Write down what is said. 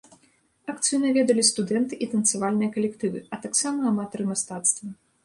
Акцыю наведалі студэнты і танцавальныя калектывы, а таксама аматары мастацтва.